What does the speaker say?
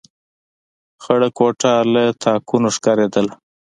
خړه کوټه له تاکونو ښکارېدله.